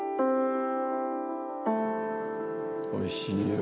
おいしいよ。